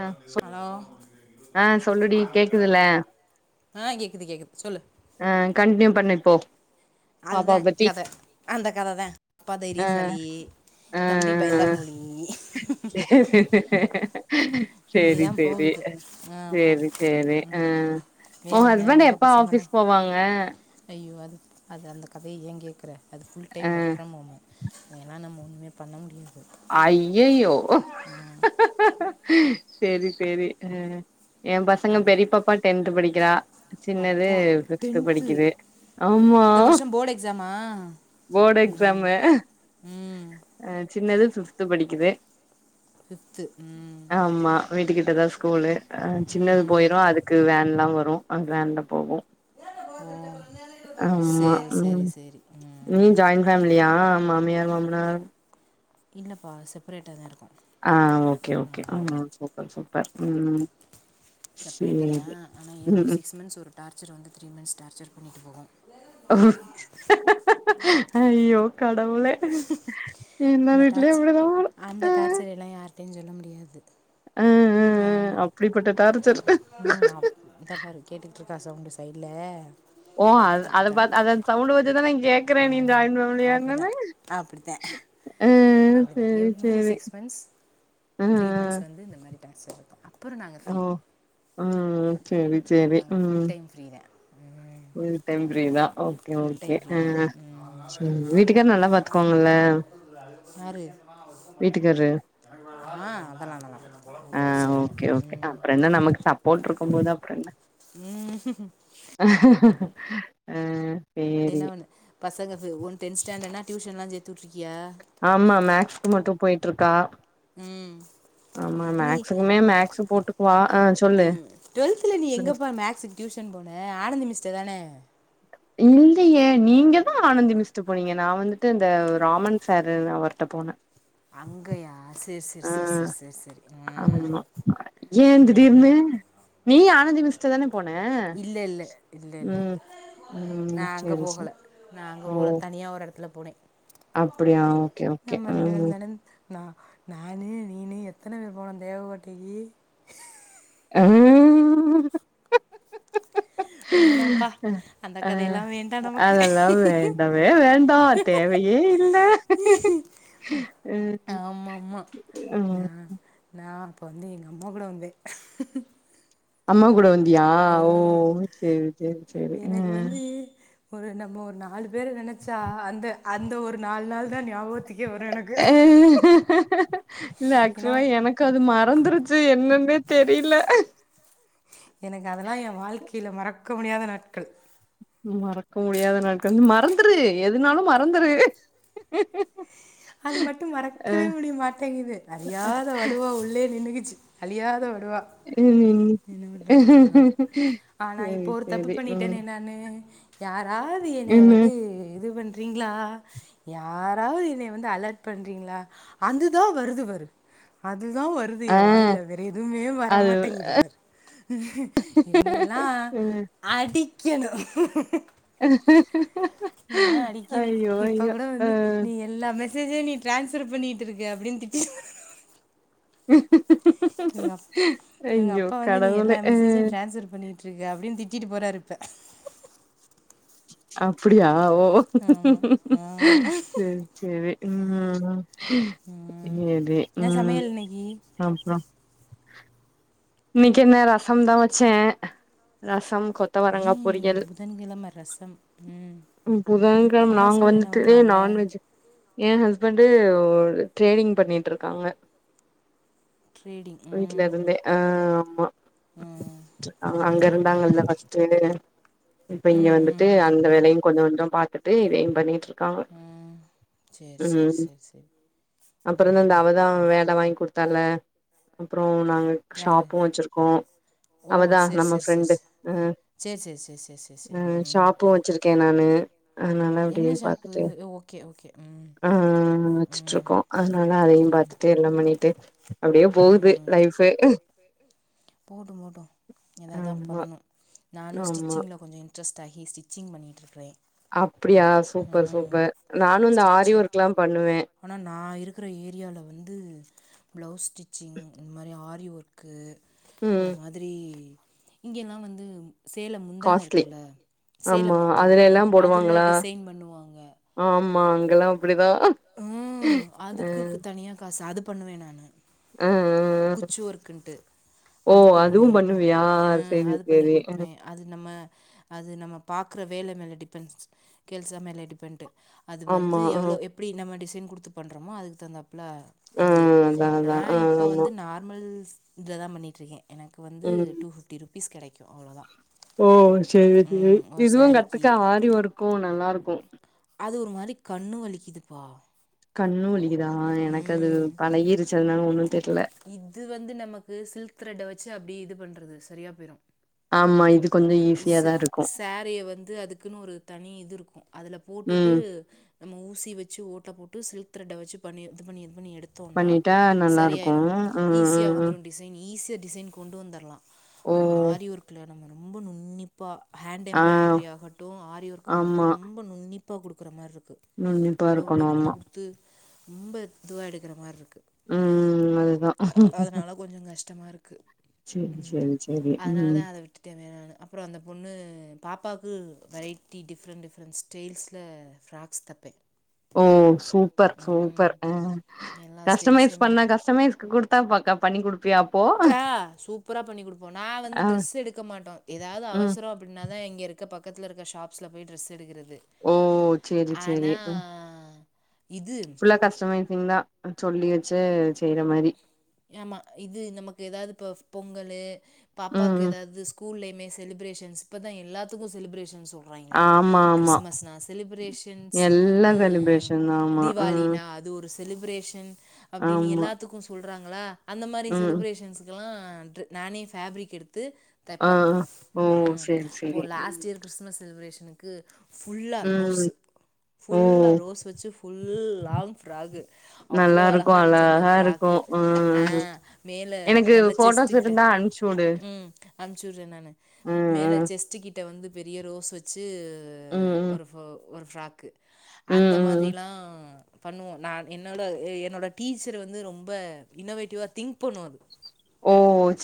ஆ hello ஆ சொல்லுடி கேக்குதுல ஆ கேக்குது கேக்குது சொல்லு ஆ கண்ட்னியூ பண்ணு இப்போ அதுதா பாப்பாவ பத்தி கத அந்த கததா அப்பா ஆ தைரியசாலி தம்பி பயந்தாங்கோலி ! ! ! ! ! ! ! ! ! இப்படி சேரி தான் சேரி போகுது ஆமாம் சேரி சேரி ஆ ஓ வேற என்ன ஹஸ்பண்ட்டு உங்கள் எப்ப பசங்களாம் ஆபீஸ் போவாங்க ஐயோ அது அது அந்த கதைய ஏங் கேக்குற அது full ah time work from home எல்லா நம்ம உண்மையப் பண்ண முடியாது அய்யய்யோ செரி செரி அ ஏ பசங்க அது பெரியப் பாப்பா டென்த் படிக்கிறா சின்னது அப்பா சிக்ஸ்த் டென்த்து படிக்குது ஆமா இந்த வருஷம் போர்டு எக்ஸாமா ஃபோர்ட் ம் எக்ஸாமு ம் அ சின்னது பிப்த்து படிக்குது ஃபிஃப்த்து ம் ஆமா வீட்டுக்கிட்டதா ஸ்கூலு அ சின்னது ம் போயிரு அதுக்கு வேன்லா வரு அ வேன்ல போகு ஆமா சரி சரி ம் சரி நீ ம் ஜாய்ன் ஃபேமிலியா மாமியார் மாமனார் இல்லப்பா செப்ரேட்டா தா இருக்கு ஆ ஓகே ஓகே ஆ சூப்பர் சூப்பர் ம் செப்பரேட்டு செரி தான் ஆனால் எவ்ரி உஹு சிக்ஸ் மந்த்ஸ் ஒரு டார்ச்சர் வந்துச்சி மிஸ் டார்ச்சர் பண்ணிட்டு போவோ அய்யோ கடவுளே எல்லா வீட்லயு அப்டிதா போல இதெல்லா யார்டயு சொல்ல முடியாது அ அ அ ஆமாம் அப்டிப்பட்ட டார்ச்சர் ம் அம் இத பாரு கேட்டுட்ருக்கா சவுண்டு சைட்ல ஓ அ அத பாத் அத சவுண்டு வச்சு தாங் கே க்றே ஆ நீ ஜாய்ன் ஃபேமிலியா என்னனு அப்டித எவ்ரி சிக்ஸ் மந்த்ஸ் அ அ. த்ரீ மந்த்ஸ் வந்து இந்த மாரி டாஸ்க் இருக்கு அப்பறோ நாங்க ஃப்ரீ ஓ ம் சேரி அப்பறோ சேரி நாங்க ஃபுல் ம் டைம் ஃப்ரீதே ஃபுல் டைம் ஃப்ரீ தா ஓகே ஃபுல் ஓகே டைம் ஆ ப்ரீதே ம் சேரி வீட்டுக்கார் நல்லா பாத்துக்குவாங்கல்ல யாரு வீட்டுக்காரு ஆ அதெல்லால்லா ஆ ம் போட்ருக்கும் போதா அப்றோ என்ன ம்ஹு அ என்ன ஒண்ணு பசங்க ஒன் டென்த் ஸ்டாண்டர்னா டியூஷன்ல்லா சேத்துவுட்ருக்கியா ஆமா மேக்ஸ்க்கு மட்டு போயிட்டுருக்கா ம் நீ மேக்ஸ் போட்டுக்குவா ஆ சொல்லு ம் டுவெல்த்ல நீ சொல்லு எங்கப்பா மேக்ஸு டியூஷன் போன ஆனந்தி மிஸ்ட தானே இல்லையே நீங்க தா ஆனந்தி மிஸ்ட போனீங்க நா வந்துட்டு இந்த ராமன் சாரு அவர்ட்ட போன அங்கயா செரி செரி செரி செரி செரி செரி செரி ம் ஆமா ஏ தீடீர்னு நீயு ஆனந்தி மிஸ்ட தான போன ம் ம் நா அங்க சேரி போகல சேரி நா அங்க ஓ போகல தனியா ஒரு எடத்துல போனே அப்டியா ஓகே ஓகே நம்ம ரெண்டு ம் பேருந்தான நா நானு நீனு எத்தன பேரு போனோ தேவகோட்டைக்கி உஹம் வேணாம்ப்பா அந்த அ கதையெல்லாம் வேண்டாம் நமக்கு அதெல்லா வேண்டவே வேண்டா தேவையே இல்ல ம் ஆமாமா ம் நா நா அப்போ வந்து எங்க அம்மா கூட வந்தே அம்மா கூட வந்தியா ஓ செரி செரி செரி அ எனக்கு வந்து ஒரு நம்ம ஒரு நாலு பேரு நெனச்சா அந்த அந்த ஒரு நாலு நாள் தா ஞாபகத்துக்கே வரு எனக் இல்ல ஏன்னா ஆக்சுவலா எனக் அது மறந்துருச்சு என்னன்னே தெரில எனக்கு அதெல்லா ஏ வாழ்க்கையில மறக்க முடியாத நாட்கள் மறக்க முடியாத நாட்கள் மறந்துரு எதுனாலு மறந்துரு அது மட்டு மறக்கவே முடிய மாட்டேங்குது அறியாத வடுவா உள்ளே நின்னைக்கிச்சு அழியாத வடுவா ஆ என்ன பண்றது [inaudible] ஆனா சரி இப்போ ஒரு தப்பு சரி ம் பண்ணிட்டேனே நானு யாராவது என்னைய இன்னு வந்து இது பண்றீங்ளா யாராவது என்னைய வந்து அலர்ட் பண்றீங்களா அதுதா வருது வரு அதுதா வரு து ஆ வாயில வேற எதுமே அது வரமாட்டேங்கிது பாரு என்னைய எல்லா ம் அடிக்கணு அ ஹ ஹ நீலா அடிக்க இப்ப கூட வந்து நீ எல்லா மெசேஜையு நீ ட்ரான்ஸ்ஃர் பண்ணிட்டு இருக்க அப்டின்னு திட்டி ஹ ஹ இவுக அப் இவுக அப்பா வந்து நீங்கள் எல்லா ஆ மெசேஜையு ட்ரான்ஸ்ஃபர் பண்ணிகிட்டு இருக்க அப்டின்னு திட்டிட்டு போராரு இப்ப அப்பிடியா ஒ ஆமா ஆமா சேர் சேரி ம் ம் சேரி என்ன ம் சமையல் இன்னைக்கு அப்புற இன்னைக்கி என்ன ரசம் தா வச்சே ரசம் கொ ஏ இன்னைக்கு புதன்கிழம ரசம் ம் ம் புதன் கிழம உங்க நாங்க ஹஸ்பண்ட் என்ன வந்துட்டு பண்றாங்க நான்வெஜ் எ ஹஸ்பண்டு ஒ ட்ரேடிங் பண்ணிட்ருக்காங்க ட்ரேடிங் ம் அ ஆமா ம் அங்க அங்க பரவால்ல ம் இருந்தாங்கல்ல ஃபஸ்டு இப்ப இங்க ம் வந்து டு ம் ம் அந்த ம் வேலையு கொஞ்ச கொஞ்சோ பாத்துட்டு இதையு பண்ணிட்டுரு ம் சேர் சேர் சேர் சேர் அப்புற இந்த ம் அவதா வேல வாங்கி குடுத்தால அப்புறோ நாங்க யார் ஷாப்பு வச்சிருக்கோ ஓ அவ தா சரி நம்ம சரி சரி ஃப்ரெண்டு அ சரி சரி சரி சரி சரி சரி சரி. அ ம் ம் ஷாப்பு வச்சிருக்கே நானு அதனால ம் என்ன அப்டியே ஷாப்பு பாத்துட்டு ஓகே ஓகே ம் ஆ வச்சுட்டு இருக்கோ அதனால அதையு ம் பாத்துட்டு எல்லா பண்ணிட்டு அப்டியே போகுது லைஃபு போட்டு போட்டு எதா தா ஆமா பண்ணணு நானு ஆமா ஸ்டிச்சிங்க்ல கொஞ்சோ இன் இன்ட்ரஸ்ட் ஆகி ஸ்டிச்சிங் பண்ணிட்டுருக்றே அப்டியா சூப்பர் சூப்பர் நானு இந்த ஆரி ஒர்க்லா பண்ணுவே ஆனா நா இருக்குற ஏரியால வந்து பிளவுஸ் ஸ்டிச்சிங் இந்த மாரி ஆரி ஒர்க்கு ம் இந்த மாதிரி இங்கேல்லா வந்து சேல முந்தான காஸ்ட்லி இருக்குல்ல சேல ஆமா முந்தான அதுல எல்லா அதில போடுவாங்களா டிசைன் பண்ணுவாங்க ஆமா அங்கல்லா அப்டிதா ம் அ அதுக்கு கு தனியா காசு அது பண்ணுவே நானு அ அ. குச்சு ஒர்க்ன்ட்டு ஓ அது அதுவு பண்ணுவே பண்ணுவியா அ சேரி அது பண்ணி சேரி குடுப்பே அது நம்ம அது நம்ம பாக்குற வேல மேல டிபெண்ட்ஸ்ஸ் கேல்சா மேல டிபெண்டு அது வந்து ஆமா ஆ எவ்ளோ எப்டி நம்ம டிசைன் குடுத்து பண்றோமோ அதுக்கு தகுந்தாப்ல ஆ இது அதா நா அதா ஆ இப்ப ஆமா வந்து நார்மல் ஸ் இத தா பண்ணிட்ருக்கே எனக்கு வந்து ம் டூ ஃபிஃப்டி ருப்பீஸ் கெடைக்கு அவ்ளோதா ஓ சேரி சேரி இதுவு ஸாரீக்கு கத்துக்க ஆரி ஒர்க்கு நல்லாருக்கு அது ஒரு மாரி கண்ணு வலிக்கிதுப்பா கண்ணு வலிக்குதா எனக்கு அது பழகிருச்சு அதுனால ஒண்ணு தெர்ல இது வந்து நமக்கு சில்க் த்ரெட்ட வச்சு அப்டியே இது பண்றது சரியா போயிரு ஆமா இது கொஞ்சோ ஸ்ஸு ஈஸியாதா இருக்கு சேரிய வந்து அதுக்குன்னு ஒரு தனி இது இருக்கு அதுல போட்டுட்டு ம் நம்ம ஊசி வச்சு ஓட்ட போட்டு சில்க் த்ரட்ட வச்சு பண்ணி இது பண்ணி இது பண்ணி எடு தோனா பண்ணிட்டா நல்லா இருக்கு சரியாயிரு ம் ஈஸியா ம் ம் வந்துரு டிசைன் ஈஸியா டிசைன் கொண்டு வந்தர்லா ஓ ஆனா ஆரி ஒர்க் க்குல நம்ம ரொம்ப நுண்ணிப்பா ஹேண்ட் ஆ எம்ட்ராய்டரி ஆகட்டு ஆரி ஒர்க் ஆகட்டு ஆமா ரொம் ப நுன்னிப்பா குடுக்கற மார்ருக்கு நுன்னிப்பா உள்ள உள்ள இருக்கணு குடுத்து ஆமா குடுத்து து ரொம்ப இதுவா எடுக்குற மார்ருக்கு ம் அதுதா அதுனால கொஞ்சோ கஷ்டமா இருக்கு சேரி ஆமா சேரி சேரி அதுனால ம் அதை [unintelligible] அப்பற அந்த பொண்ணு பாப்பாவுக்கு வெரைட்டி டிஃப்ரெண்ட் டிஃப்ரெண்ட்ஸ் டெய்ல்ஸ்ல ஃப்ராக்ஸ் தப்பே ஓ சூப்பர் சூப்பர் அ எல்லா கஸ்டமைஸ் ஸ்டைல்ஸ்லையுமே பண்ண கஸ்டமைஸ்க்கு குடு தாபாக்க பண்ணி குடுப்பியா அப்போ கா சூப்பரா பண்ணி குடுப்போ நா வந்து ஆ ட்ரெஸ் எடுக்க மாட்டோ ஏதாவது ம் அவசரோ அப்பின்னாதா இங்க இருக்க பக்கத்துல இருக்க ஷாப்ஸ்ல போய் ட்ரெஸ் எடுக்குறது ஓ சேரி சேரி ஆனா இது க கஸ்டமைசிங்கா சொல்லி வச்சு செய்ற மாரி ஆமா இது நமக்கு ஏதாவது இப்ப பொங்கலு ம் பாப்பாக்கு ம் ஏதாவது ஸ்கூலயுமே செலிஃப்ரேஷன்ஸ் இப்ப தா எல்லாத்துக்கு செலிப்ரேஷன்ஸு வாங்களே ஆமா ஆமா கிறிஸ்மஸ்னா செலிப்ரேஷன்ஸ் எல்லா அ செலிப்ரேஷன் தா ஆமா ம் தீபாவளினா அ அந்த ஒரு செலிபிரேஷன் அப்டின் ஆமா எல்லாத்துக்கு சொல்றாங்களா அந்த மாரி ம் செலிபிரேஷன்ஷு இதலா ட்ரு நானே ஃபேப்ரிக் எடுத்து ஆ தப்பே ஓ ம் சேரி இப்போ சேரி ம் லாஸ்ட் இயர் கிறிஸ்மஸ் செலிப்ரேஷனுக்கு ஃபுல்லா ம் ரோஸ்ஸு ஓ ஃபுல்லா ரோஸ் வச்சு ஃபுல் லாங் ஃப்ராக்கு நல்லா அவ்ளோ இருக்கு அழகா இருந்ச்சு அந்த இருக்கு ஃப்ராக்கு ம் ம் மேல எனக்கு நல்ல செஸ்ட்டு போட்டோஸ் கிட்டே இருந்தா அனுப்ச்சுடு ம் அன்ப்புச்சு விட்றே நானு ம் மேல ம் செ ஸ்ட்டு கிட்ட வந்து பெரிய ரோஸ் வச்சு ம் ம் ஒரு ஃபு ஒரு ஃப்ராக்கு அந்த ம் ம் மாதிரில்லா பண்ணுவோ நா என்னோட என்னோட டீச்சர் வந்து ரொம்ப இன்னோவேட்டிவா திங்க் பண்ணு அது ஓ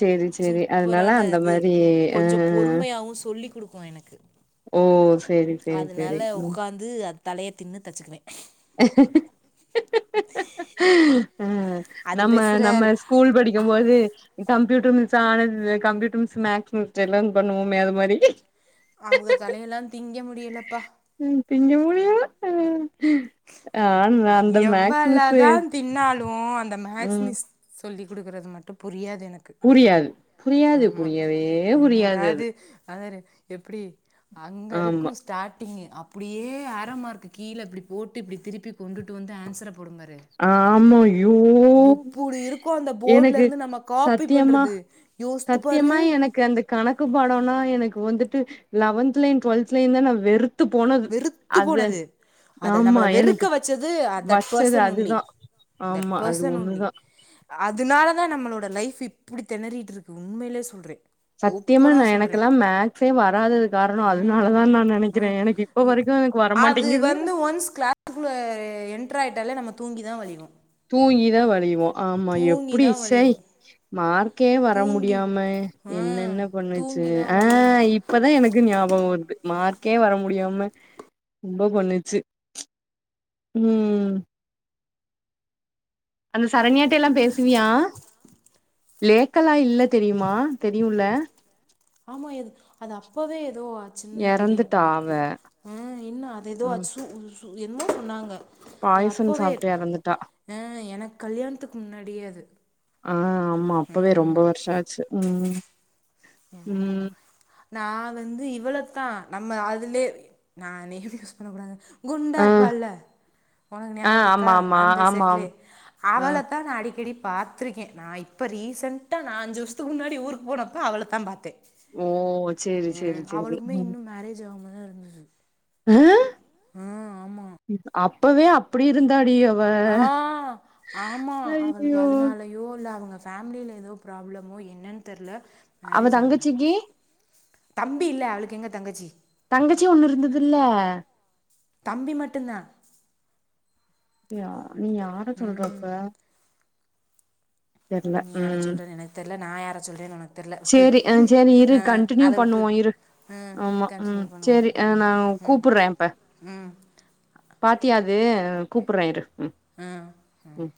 சேரி சேரி அதனால சூப்பரான அந்த இது மாரி அ கொஞ்ச பொறுமையாவு சொல்லி குடுக்கு எனக்கு ஓ சேரி சேரி சேரி ம் து அது பழய பின்னு தச்சுக்குவே அ அது நம்ம பேசுற நம்ம ஸ்கூல் படிக்கும் போது கம்ப்யூட்டர் மிஸ் ஆனது கம்ப்யூட்டர் மிஸ் மேக்ஸ் மிஸ் ஜெலன் பண்ணுவோமே அதுமாரி அவளோ தலயெல்லா திங்க முடிலப்பா ம் திங்க அ மிஸ்ஸு எவ்வலதா தின்னாலு அந்த மேக்ஸ் ம் மிஸ் சொல்லி் குடுக்குறது மட்டு புரியாது எனக் கு புரியாது புரியாது ஆமா புரியவே என்னடா புரியாது அது இது அதாரே எப்டி அங்க இருக்கு ஆமா ஸ்டார்ட்டிங்கு அப்டியே ஆர மார்க்கு கீழ இப்டி போட்டு இப்டி திருப்பி கொண்டுட்டு வந்து ஆன்சர போடு பாரு ஆமா ஐயோ எப்புடி இருக்கு அந்த போர்ட்ல எனக்கு இருந்து நம்ம காப்பி சத்தியம்மா பண்றது யோசித்து பாரு சத்தியமா எனக்கு அந்த கணக்கு பாடோனா எனக்கு வந்துட்டு லவன்துலயு டுவல்துலயு தா நா வெறு வெறுத்து போனது அத ஆமா நம்மள வெறுக்க எனக்கு வெச்சது அ தட் வச்சது பர்சனல் ஒன்லி அதுதா தட் ஆமா அது பர்சன் ஒன்லி ஒண்ணுதா அதுனால தா நம்மளோட லைஃப் இப்டி தெணறிட்டு இருக்கு உண்மையிலே சொல்றே சத்தியமா ஓப்பனா நா சொல்றே எனக்கெல்லா மேக்ஸே வராதது காரணோ ம் அதெனாலதா நா ஆ நெனைக்கிறே எனக்கு இப்ப வரைக்கு எனக்கு அது வரமாட்டேங்குது வந்து ஒன்ஸ் கிளாஸ் உள்ள என்டர் ஆயிட்டாலே நம்ம தூங்கி தா வழிவோ தூங்கி தா வழிவோ ஆமா எப்டி தான் ஷய் வலிவு மார்க்கே வர தூங்கி முடியாம ஆ என்னென்ன பண்ணுச்சு தூங்கி தான் ஆ வலிவு இ இப்பதா எனக்கு ஞாபக வருது மார்க்கே வர முடியாம ரொம்ப பண்ணுச்சு ம் அந்த சரண்யாட்டெல்லா பேசுவியா லேக்கலா இல்ல தெரியுமா தெரியுல ஆமா எது அது அப்பவே ஏதோ ஆச்சுன்னு தெரியு எறந்துட்டா அவ எனக்கு அ இன்ன அத ஏதோ ம் அச்சு உசு என்ன சொன்னாங்க அது பாய்சன் அப்போவே சாப்ட்டு எறந்துட்டா ஆ எனக்கு கல்யாணத்துக்கு முன்னாடியே அது ஆ ஆமா அப்பவே ரொம்ப ம் வருஷோ ஆச்சு ம் என்னம்மோ ம் நா வந்து இவளவுத்தா நம்ம அதுலயே நா நேம் யூஸ் பண்ண கூடாது குண்டா ஆ இருப்பால்ல உனக்கு ஆ ஞாகபோ இருக்கா ஆமா ஆமா அந்த ஆமா செட்லயே ஆ அவள தா நா அடிக்கடி பா த்துருக்கே நா இப்ப ரீசெண்டா நா அஞ்சு வருஷத்துக்கு முன்னாடி ஊருக்கு போனப்போ அவளத்தா பாத்தே ஓ சேரி அ சேரி சேரி அவளுக்குமே ம் இன்னு மேரேஜ் ஆகாமதா இருந்தது ஆ ஆ ஆமா அப்பவே அப்டி இருந்தாடி அவ ஆ ஆமா அவளுக்கு ஐயோ அதனால யோ இல்ல அவங்க ஃபேமிலியில ஏதோ ப்ராப்ளமோ என்னன் தெர்ல அவ மேரேஜ் ஆவல தங்கச்சிக்கு தம்பில்ல அவளுக்கு எங்க தங்கச்சி தங்கச்சி ஒண்ணு இருந்ததுல தம்பி மட்டுதா நீ யா நீ யார சொல்ற அப்ப தெர்ல நீ யாரை ம் சொல்கிறேன்னு எனக்கு தெரில நான் யாரை சொல்கிறேன்னு உனக்கு தெரில விட்டுரு சரி ம் சரி இரு ஆ கன்டினியூ அதை விட்டுரு பண்ணுவோ இரு ஆ ஆமா ம் கண்டினியூ பண்ணுவோம் சரி ஆ ம் நா கூப்புடுறே இப்ப ம் பாத்தியா அது கூப்புடுறே இரு ம் ம்